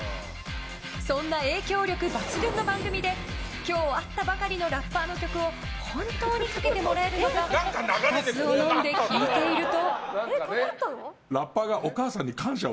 そんな影響力抜群の番組で今日会ったばかりのラッパーの曲を本当にかけてもらえるのかと固唾をのんで聴いていると。